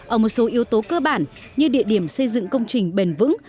ở một số yếu tố cơ bản như địa điểm xây dựng công trình bền vững